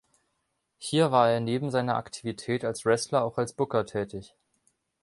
Hier war neben seiner Aktivität als Wrestler auch als Booker tätig.